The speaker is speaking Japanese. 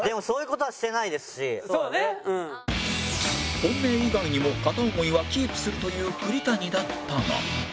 本命以外にも片思いはキープするという栗谷だったが